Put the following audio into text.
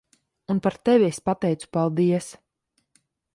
Un par tevi es pateicu paldies.